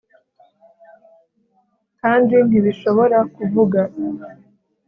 kandi ntibishobora kuvuga